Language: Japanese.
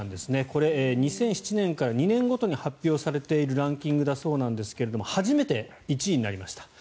これ、２００７年から２年ごとに発表されているランキングだそうなんですが初めて１位になりました。